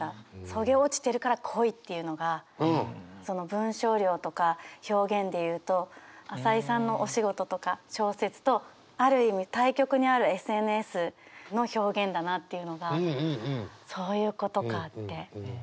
「削げ落ちてるから濃い」っていうのがその文章量とか表現で言うと朝井さんのお仕事とか小説とある意味対極にあるＳＮＳの表現だなっていうのがそういうことかって。